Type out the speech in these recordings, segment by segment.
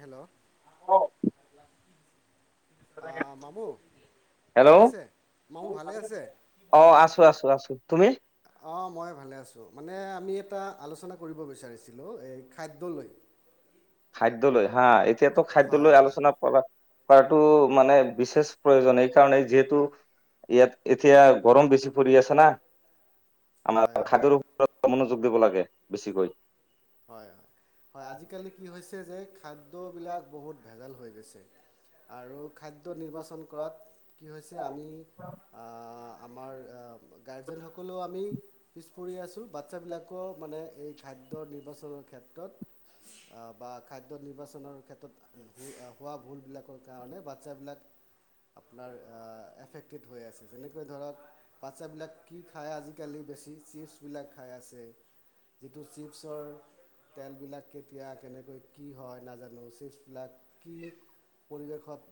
Hello অ'। আহ মামু ভালে হেল্ল'। আছে মামু ভালে আছে [inaudible] অ', আছোঁ, আছোঁ, আছোঁ। তুমি? অ', মই ভালে আছোঁ। মানে আমি এটা আলোচনা কৰিব বিচাৰিছিলো- এই খাদ্যলৈ। খাদ্য লয় হা এতিয়াটো খাদ্য লৈ হয় আলোচনা কৰা। কৰাটো মানে বিশেষ প্ৰয়োজন। এইকাৰণে যিহেতু, ইয়াত এতিয়া গৰম বেছি পৰি আছে না। আমাৰ হয় হয় খাদ্যৰ ওপৰত মনোযোগ দিব লাগে। বেছিকৈ। হয়, হয়। হয় আজিকালি কি হৈছে [unintelligible] খাদ্যবিলাক বহুত ভেজাল হৈ গৈছে। [inaudible] আৰু খাদ্য নিৰ্বাচন কৰাত, কি হৈছে? আমি, আ আমাৰ গাৰ্জেনসক সকলো আমি কৰি আছো। বাচ্ছাবলাকৰ মানে এই খাদ্য নি নিৰ্বাচনৰ ক্ষেত্ৰত বা খাদ্য নিৰ্বাচনৰ ক্ষেত্ৰত হোৱা ভুলবিলাকৰ কাৰণে বাচ্ছাবিলাক আপোনাৰ এফেক্টেড হৈ আছে। যেনেকৈ ধৰক, বাচ্ছাবিলাক কি খায় আজিকালি? বেছি চিপছবিলাক খাই আছে। যিটো চিপছৰ তেলবিলাক কেতিয়া কেনেকৈ কি হয় নাজানো, ছিইপছবিলাক কি পৰিৱেশত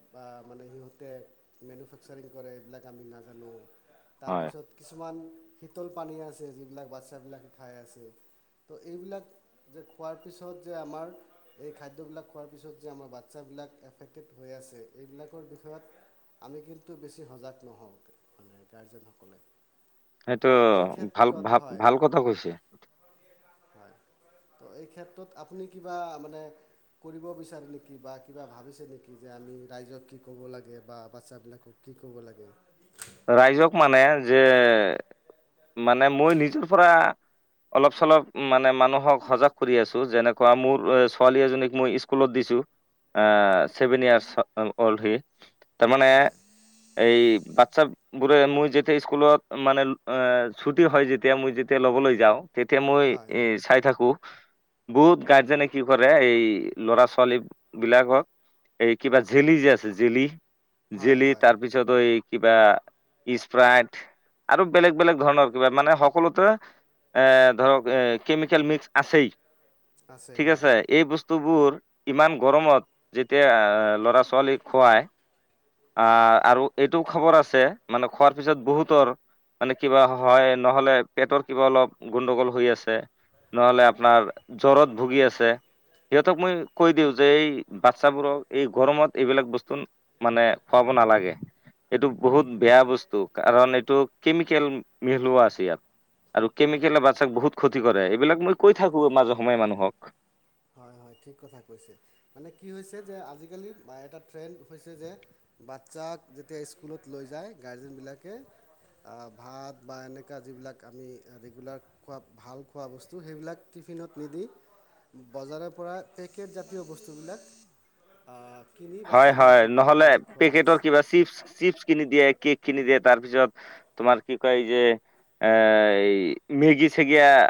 মানে সিহঁতে মেনুফেকচাৰিং কৰে এইবিলাক আমি নাজানো। হয় তাৰপিছত কিছুমান শীতল পানী আছে যিবিলাক বাচ্ছা বিলাকে খাই আছে ত' এইবিলাক যে খোৱাৰ পিছত যে আমাৰ এই খাদ্যবিলাক খোৱাৰ পিছত যে আমাৰ বাচ্ছাবিলাক এফেক্টেড হৈ আছে। এইবিলাকৰ বিষয়ত আমি কিন্তু বেছি সজাগ নহওঁ মানে গাৰ্জেনসকলে। তো সেইটো এই ভাল, ক্ষেত্ৰত ভাল। হয় ভাল কথা কৈছে। ত' এই ক্ষেত্ৰত আপুনি কিবা মানে কৰিব বিচাৰে নেকি? বা কিবা ভাবিছে নেকি? যে আমি ৰাইজক কি ক'ব লাগে। বা বাচ্ছাবিলাকক কি ক'ব লাগে? ৰাইজক মানে যে মানে মই নিজৰ পৰা অলপ চলপ মানে মানুহক সজাগ কৰি আছো। যেনেকুৱা মোৰ ছোৱালী এজনীক মই স্কুলত দিছো। এ ছেভেন ইয়াৰ্চ হ'লহি। তাৰমানে হয় এই বাচ্ছা বোৰে মোৰ যেতিয়া স্কুলত মানে এ ছুটি হয় যেতিয়া মই যেতিয়া ল'বলৈ যাওঁ। তেতিয়া মই হয় এই চাই থাকোঁ। বহুত গাৰ্জেনে কি কৰে, এই ল'ৰা ছোৱালী বিলাকক এই কিবা জেলি যে আছে জেলি হয় জেলি হয় তাৰপিছত' এই কিবা স্প্ৰাইট আৰু বেলেগ বেলেগ ধৰণৰ কিবা মানে সকলোতে এ ধৰক এ কেমিকেল মিক্স আছেই। ঠিক আছে এই বস্তু বস্তুবোৰ ইমান গৰমত যেতিয়া ল'ৰা এ ছোৱালীক খুৱাই আ' আৰু এইটো খৱৰ আছে মানে খোৱাৰ পিছত বহুতৰ মানে কিবা হয়, নহ'লে পেটৰ কিবা অলপ গোণ্ডগোল হৈ আছে, নহ'লে আপোনাৰ জ্বৰত ভুগি আছে। সিহঁতক মই কৈ দিওঁ যে এই বাচ্ছাবোৰক এই গৰমত এইবিলাক বস্তু মানে খোৱাব নালাগে। এইটো বহুত বেয়া বস্তু, কাৰণ এইটো কেমিকেল মিহলোৱা আছে ইয়াত। আৰু হয় কেমিকেলে বাচ্ছাক বহুত ক্ষতি কৰে এইবিলাক মই কৈ থাকোঁ মাজে সময়ে মানুহক। হয় হয় ঠিক কথা কৈছে, মানে কি হৈছে যে আজিকালি এটা ট্ৰেণ্ড হৈছে যে বাচ্ছাক যেতিয়া স্কুলত লৈ যায় গাৰ্জেনবিলাকে ভাত বা এনেকুৱা যিবিলাক আমি ৰেগুলাৰ খোৱা ভাল খোৱা বস্তু সেইবিলাক টিফিনত নিদি বজাৰৰ পৰা পেকেট জাতীয় বস্তুবিলাক কিনি হয়, হয়, বাচ্ছাবিলাকক নহলে মানে খুৱাই আছে পেকেটৰ কিবা চি্পছ চি্পছ কিনি দিয়ে। কেক কিনি দিয়ে তাৰপিছত তোমাৰ কি কয়, যে আহ মেগী চেগি আহ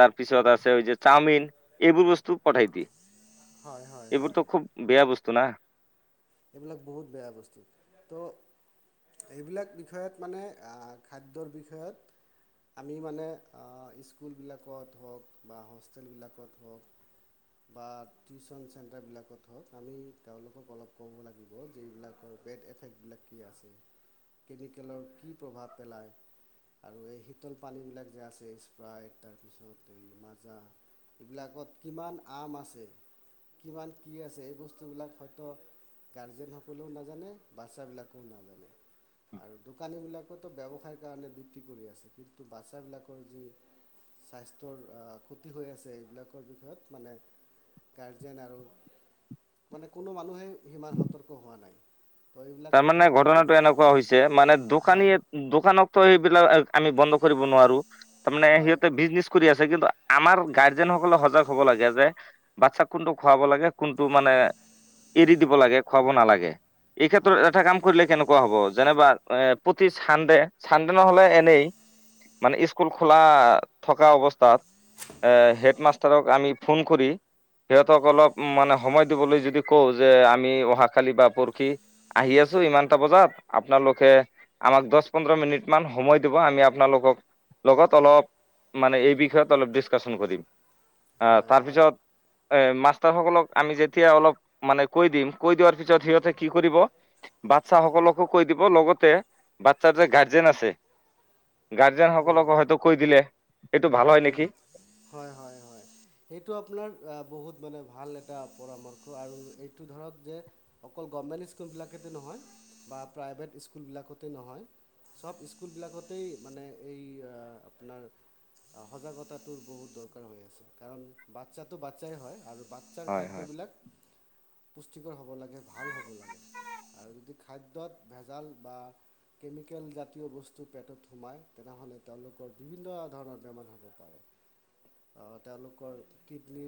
তাৰপিছত আছে ঐযে চাওমিন এইবোৰ বস্তু পঠাই দিয়ে। হয় হয় হয় এইবোৰতো খুব বেয়া বস্তু। [unintelligible] এইবিলাক বহুত বেয়া বস্তু তো এইবিলাক বিষয়ত মানে খাদ্যৰ বিষয়ত আমি মানে স্কুলবিলাকত হওক, বা হোষ্টেলবিলাকত হওক, বা টিউচন চেণ্টাৰবিলাকত হওক, আমি তেওঁলোকক অলপ ক'ব লাগিব যে এইবিলাকৰ বেড এফেক্টবিলাক কি আছে। কেমিকেলৰ কি প্ৰভাৱ পেলায় আৰু এই শীতল পানীবিলাক যে আছে, স্প্ৰাইট তাৰপিছত এই মাজা এইবিলাকত কিমান আম আছে কিমান কি আছে, এই বস্তুবিলাক হয়তো গাৰ্জেন সকলেও নাজানে, বাচ্ছাবিলাকেও নাজানে, আৰু দোকানীবিলাকতো ব্যৱসায়ৰ কাৰণে বিক্ৰী কৰি, আছে কিন্তু বাচ্ছাবিলাকৰ যি স্বাস্থ্যৰ ক্ষতি হৈ আছে এইবিলাকৰ বিষয়ত মানে গাৰ্জেন আৰু মানে কোনো মানুহে সিমান সতৰ্ক হোৱা নাই। এইবিলাক তাৰমানে বিষয়ত আমি ঘটনাটো এনেকুৱা হৈছে মানে হয় দোকানীয়ে দোকানক ত সেইবিলাক আমি বন্ধ কৰিব নোৱাৰোঁ তাৰ মানে হয় সিহঁতে বিজনিছ কৰি আছে কিন্তু আমাৰ গাৰ্জেন সকলে সজাগ হব লাগে, যে বাচ্ছাক কোনটো খোৱাব লাগে কোনটো মানে এৰি দিব লাগে খোৱাব নালাগে এইক্ষে হয় এটা হয় কাম কৰিলে কেনেকুৱা হ'ব, যেনেবা এ প্ৰতি চানডে, চানডে নহলে এনেই মানে স্কুল খোলা থকা অৱস্থাত এ হেডমাষ্টাৰক আমি ফোন কৰি সিহঁতক অলপ মানে সময় দিবলৈ যদি কওঁ, যে আমি অহাাকালি বা পৰহি আহি আছো ইমান তা বজাত আপোনালোকে আমাক দছ পোন্ধৰ মিনিট মান সময় দিব। আমি আপোনালোকক লগত অলপ মানে এই বিষয়ত অলপ ডিচকাচন কৰিম। আহ, হয় হয় তাৰপিছত এ মাষ্টাৰ সকলক আমি যেতিয়া অলপ মানে কৈ দিম কৈ দিয়াৰ পিছত সিহঁতে কি কৰিব? বাচ্ছা সকলকো কৈ দিব লগতে বাচ্ছাৰ যে গাৰ্জেন আছে। গাৰ্জেন সকলকো হয়তো কৈ দিলে। এইটো ভাল হয় উম, নেকি হয় হয় হয় সেইটো আপনাৰ বহুত বেলেগ ভাল এটা পৰামৰ্শ আৰু এইটো ধৰক যে, অকল গমমেণ্ট স্কুলবিলাকতে নহয় বা প্ৰাইভেট স্কুলবিলাকতে নহয় চব স্কুলবিলাকতেই মানে এই আপোনাৰ সজাগতাটো বহুত দৰকাৰ হৈ আছে। কাৰণ বাচ্ছাটো বাচ্ছাই হয় আৰু বাচ্ছাৰ হয় হয় খাদ্যবিলাক পুষ্টিকৰ হ'ব, লাগে ভাল হ'ব, লাগে আৰু যদি খাদ্যত ভেজাল বা কেমিকেল জাতীয় বস্তু, পেটত সোমায় তেনেহ'লে তেওঁলোকৰ বিভিন্ন ধৰণৰ বেমাৰ হব পাৰে তেওঁলোকৰ কিডনী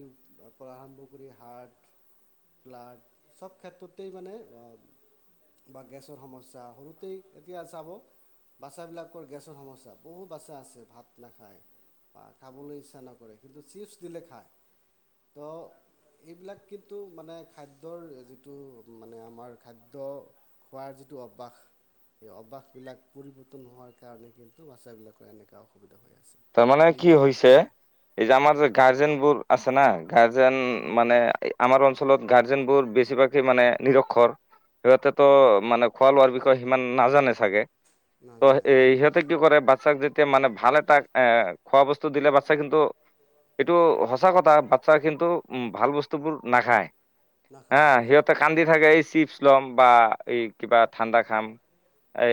পৰা আৰম্ভ কৰি হাৰ্ট প্লাট চব ক্ষেত্ৰটেই মানে বা গেছৰ সমস্যা সৰুতেই এতিয়া চাব বাচ্ছা বিলাকৰ গেছৰ সমস্যা। বহু বাচ্ছা আছে ভাত নাখায় ভাত খাবলৈ ইচ্ছা নকৰে কিন্তু চিপছ দিলে খায়, তো এইবিলাক কিন্তু মানে খাদ্যৰ যিটো মানে আমাৰ খাদ্য খোৱাৰ যিটো অভ্যাস, সেই অভ্যাসবিলাক পৰিৱৰ্তন নহোৱাৰ কাৰণে কিন্তু বাচ্ছা বিলাকৰ এনেকুৱা অসুবিধা হৈ আছে। তাৰমানে বুলি কি মই হৈছে হয় এই যে আমাৰ হয় যে গাৰ্জেন বোৰ আছে ন। গাৰ্জেন হয় মানে আমাৰ অঞ্চলত গাৰ্জেনবোৰ বেছিভাগেই মানে নিৰক্ষৰ, সিহঁতেতো মানে খোৱা লোৱাৰ বিষয়ে সিমান নাজানে চাগে। নাজানে ত হয় ইহঁতে কি কৰে বা চাক যেতিয়া মানে ভাল তাক এ খোৱা বস্তু দিলে বাচ্ছা কিন্তু এইটো সঁচা কথা বাচ্ছা কিন্তু উ ভাল বস্তুবোৰ নাখায়। হা নাখায় হয় সিহঁতে কান্দি থাকে এই চিপ [unintelligible] বা এই কিবা ঠাণ্ডা খাম। এ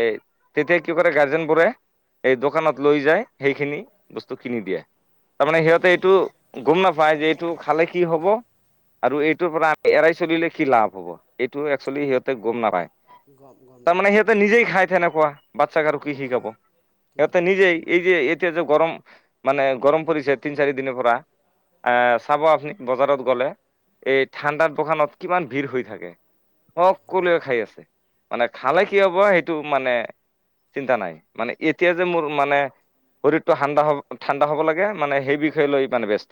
তেতিয়া কি কৰে গাৰ্জেন বোৰে, এই দোকানত লৈ যায়। সেইখিনি বস্তু কিনি দিয়ে। তাৰমানে সিহঁতে এইটো গম নাপায় যে টো খালে কি হ'ব আৰু এইটোৰ পৰা এৰাই চলিলে কি লাভ হ'ব, এইটো এক্চুৱেলি সিহঁতে গম নাপায়। গম গম তাৰমানে নাপায় সিহঁতে নিজেই একজেক্টলি খাই তেনেকুৱা। বাচ্ছাক আৰু কি শিকাব? হয় ঠিক সিহঁতে আছে নিজেই এই এতিয়া যে গৰম মানে গৰম পৰিছে তিন চাৰি দিনৰ পৰা। আহ চাব আপুনি বজাৰত গ'লে, এই ঠাণ্ডাত দোকানত কিমান ভিৰ হৈ থাকে। হয় সকলোৱে খাই হয় আছে। মানে খালে হয় হয় কি হ'ব সেইটো মানে চিন্তা নাই। মানে এতিয়া যে মোৰ মানে শৰীৰটো সান্দা হ'ব, ঠাণ্ডা হ'ব লাগে, মানে সেই বিষয়ে লৈ মানে ব্যস্ত।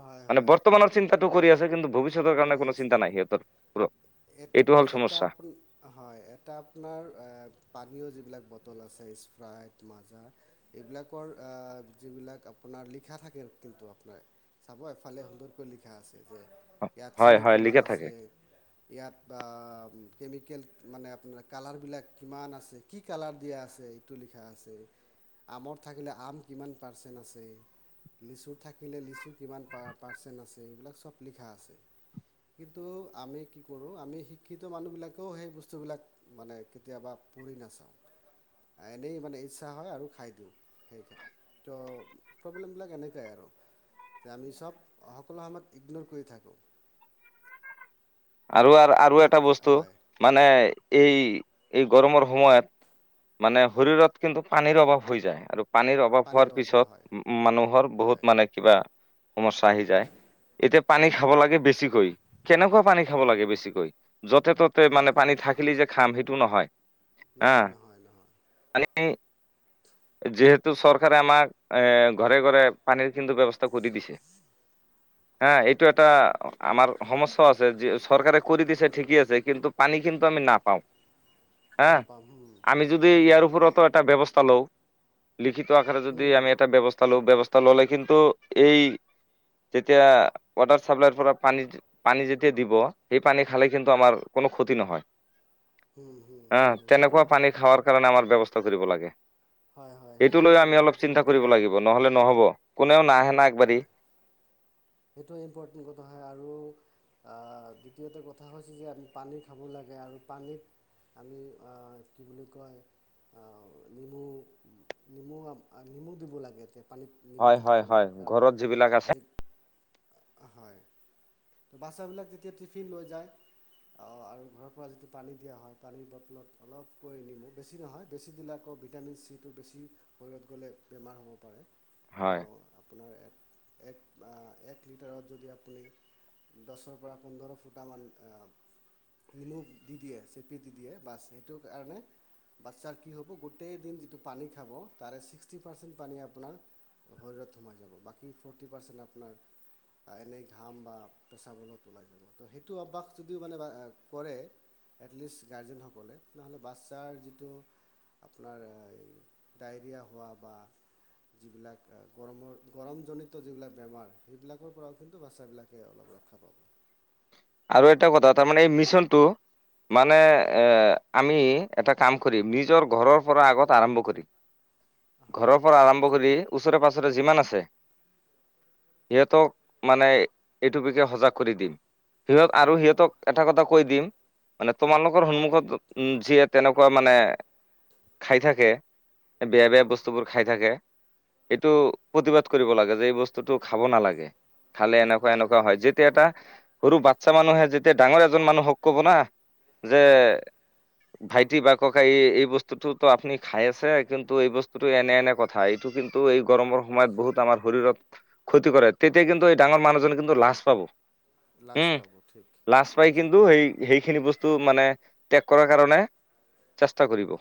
হয় মানে হয় বৰ্তমানৰ চিন্তাটো কৰি আছোঁ। তেতিয়া কিন্তু ভবিষ কৰি আছে। এট এইটো হ'ল এটা সমস্যা আপনা। হয়, এটা আপোনাৰ এ পানীয় যিবিলাক ব বটল আছে স্প্ৰাইট, মাজা। এইবিলাকৰ আ যিবিলাক আপোনাৰ লিখা থাকে, কিন্তু আপোনাৰ, চাব এফালে সুন্দৰকৈ লিখা আছে যে ইয়াত হয় চিনি হয় কিমান লিখা থাকে আছে? ইয়াত বা কেমিকেল, মানে আপোনাৰ কালাৰবিলাক কিমান আছে? কি কালাৰ দিয়া আছে, এইটো লিখা আছে। আমৰ থাকিলে আম কিমান পাৰ্চেণ্ট আছে, লিচু থাকিলে লিচু কিমান পা পাৰ্চেণ্ট আছে, এইবিলাক চব লিখা আছে। কিন্তু আমি কি কৰোঁ? আমি শিক্ষিত মানুহবিলাকেও সেই বস্তুবিলাক মানে কেতিয়াবা পঢ়ি নাচাওঁ। এনেই মানে ইচ্ছা হয় আৰু খাই দিওঁ। সেইকাৰণে। তো, প্ৰব্লেমবিলাক এনেকুৱাই আৰু। যে আমি চব সকলো সময়ত ইগন'ৰ কৰি থাক আৰু, আৰু না এটা বস্তু হয় মানে এই, এই গৰমৰ সময়ত মানে শৰীৰত কিন্তু পানীৰ অভাৱ হৈ যায় আৰু পানীৰ অভাৱ হোৱাৰ অভাৱ হয় পিছত মা মানুহৰ হয় বহুত মানে কিবা সমস্যা আহি যায়। এতিয়া পানী হয় খাব হয় লাগে বেছিকৈ। কেনেকুৱা পানী চাব হয় হয় লাগে বেছিকৈ। য'তে ত'তে মানে হয় পানী থাকিলে যে খাম সেইটো নহয়। হা নহয়, নহয়, নহয়। পানী যিহেতু চৰকাৰে আমাক এ ঘৰে ঘৰে পানীৰ কিন্তু ব্যৱস্থা কৰি দিছে। হা, এইটো এটা আমাৰ সমস্যাও আছে চৰকাৰে কৰি দিছে ঠিকেই আছে। কিন্তু পানী কিন্তু আমি নাপাওঁ। হা। নাপাম হুম আমি যদি হুম ইয়াৰ ওপৰতো এটা ব্যৱস্থা লওঁ। লিখিত আকাৰে যদি হুম আমি এটা ব্যৱস্থা লওঁ, ব্যৱ ল'লে কিন্তু এই, যেতিয়া ৱাটাৰ চাপ্লাইৰ পৰা পানী পানী যেতিয়া দিব সেই পানী খালে কিন্তু আমাৰ কোনো ক্ষতি নহয়। হুম হুম হুম অ'। সেইটো তেনেকুৱা হয় পানী খাৱাৰ কাৰণে আমাৰ ব্যৱস [unintelligible] কৰিব লাগে। হয় হয় এইটো সেইটো লৈ এটা আমি অলপ ইম্পৰ্টেণ্ট চিন্তা কথা কৰিব হয় লাগিব। নহ'লে নহ'ব। কোনেও নাই। হয়। সেইটো ইম্পৰ্টেণ্ট কথা হয় আৰু আহ, দ্বিতীয়তে কথা হৈছে যে আমি পানী খাব লাগে আৰু পানীত আমি আহ কি বুলি কয় অ নেমু নেমু নেমু দিব লাগে পানীত নেমু হয় থাকিব হয় হয় লাগে। কাৰণ ঘৰত যিবিলাক আছে আজি হয় ত' বাচ্ছাবিলাক তেতিয়া টিফিন লৈ যায় অহ, আৰু ঘৰৰ পৰা যিটো পানী দিয়া হয়, পানীৰ বটলত অলপকৈ নিমু বেছি নহয় বেছি দিলে আকৌ ভিটামিন চিটো বেছি শৰীৰত গ'লে বেমাৰ হ'ব পাৰে। হয়। তো আপোনাৰ এক, এক আ এক লিটাৰত যদি আপুনি দছৰ পৰা পোন্ধৰ ফুটামান অহ, নিমু দি দিয়ে চেপি দি দিয়ে, বাচ সেইটো কাৰণে বাচ্ছাৰ কি হ'ব গোটেই দিন যিটো পানী খাব তাৰে ছিক্সটি পাৰ্চেণ্ট পানী আপোনাৰ শৰীৰত সোমাই যাব। বাকী ফ'ৰ্টি পাৰ্চেণ্ট আপোনাৰ এনেই ঘাম বা পেচাবৰ লগত ওলাই যাব, ত' সেইটো অভ্যাস যদিও মানে আ কৰে এটলিষ্ট গাৰ্জেনসকলে তেনেহলে বাচ্ছাৰ যিটো আপোনাৰ অহ ডায়েৰিয়া হোৱা বা যিবিলাক অহ গৰমৰ গৰমজনিত যিবিলাক বেমাৰ সেইবিলাকৰ পৰাও কিন্তু বাচ্ছাবিলাকে অলপ ৰক্ষা পাব। আৰু এটা কথা - তাৰমানে এই মিছনটো মানে অহ, আমি এটা কাম কৰিম, নিজৰ ঘৰৰ পৰা আগত আৰম্ভ কৰিম। হয় ঘৰৰ পৰা আৰম্ভ ঠিক কৰি ওচৰে-পাঁজৰে যিমান আছে [unintelligible] সিহঁতক মানে এইটো বিষয়ে সজাগ কৰি দিম। সিহঁত আৰু হয় হয় সিহঁতক এটা কথা কৈ দিম মানে তোমালোকৰ সন্মুখত যিয়ে তেনেকুৱা মানে খাই থাকে, বেয়া বেয়া বস্তুবোৰ খাই থাকে, এইটো প্ৰতিবাদ কৰিব লাগে যে এই বস্তুটো খাব নালাগে। খালে এনেকুৱা এনেকুৱা হয় যিটো এটা সৰু বাচ্ছা মানুহে যেতিয়া ডাঙৰ এজন মানুহক ক'ব না যে হয় ভাইটি বা ককাই এই এই বস্তুটোতো আপুনি খাই আছে কিন্তু এই বস্তুটো এনে এনে কথা। এইটো কিন্তু এই গৰমৰ সময়ত বহুত আমাৰ শৰীৰত ক্ষতি কৰে, তেতিয়া কিন্তু এই ডাঙৰ মানুহজনে কিন্তু লাজ পাব। লাজ উম, পাব ঠিক লাজ পাই কিন্তু একজেক্টলি সেই সেইখিনি বস্তু মানে ত্যাগ কৰাৰ কাৰণে চেষ্টা কৰিব।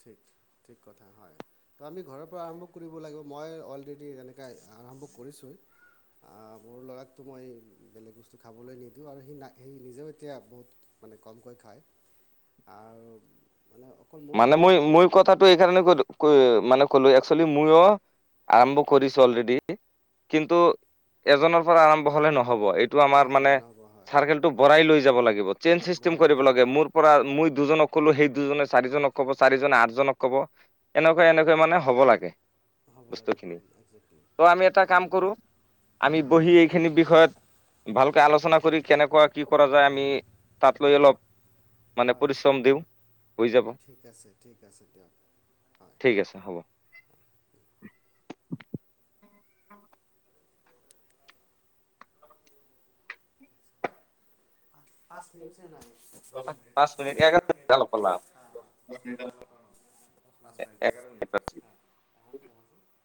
ঠিক ঠিক কথা হয় তো আমি ঘৰৰ পৰা আৰম্ভ কৰিব লাগে মই অলৰেডি সেনেকাই আৰম্ভ কৰিছো আ মোৰ লৰাক তুমি বেলেগ বস্তু খাবলৈ নিদো আৰু সেই না সি নিজেও এতিয়া বহুত মানে কমকৈ খায় আৰু মানে অকল মোৰ মানে ল'ৰা মই মই কথাটো এই কাৰণে কলো ক মানে ক'লো একচুৱেলি মইওঅ আৰম্ভ কৰিছো অলৰেডি কিন্তু এজনৰ পৰা আৰম্ভ হলে নহ হব এইটো আমাৰ নহ'ব মানে নহ'ব হয় চাৰ্কেলটো বঢ়াই লৈ যাব লাগিব চেইন চিষ্টেম বৰাই লৈ কৰিব যাব লাগে লাগিব মোৰ পৰা মই দুজনক কলো সেই দুজন আ চাৰিজনক কব চাৰিজনে আঠজনক কব এনেকুৱা এনেকা মানুহ হ'ব লাগে হ'ব লাগে বস্তুখিনি একজেক্টলি ত আমি এটা কাম কৰো আমি বহি এইখিনি বিষয়ত ভালকে আলোচনা কৰি কেনেকুৱা কি কৰা যায় আমি তাত লৈ অলপ মানে হয় পৰিশ্ৰম দিওঁ হৈ যাব ঠিক আছে ঠিক আছে দিয়ক হয় ঠিক আছে হ'ব। হয় পাঁচ পাঁচ মিনিট হৈছে নাই, এঘৰো পাঁচ মিনিট এগারো আলাপ করলাম। হা এঘাৰ মিনিট হৈছে